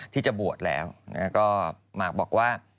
ที่จะบวชแล้ว